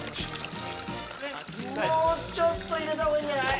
もうちょっと入れた方がいいんじゃない？